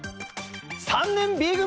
３年Ｂ組！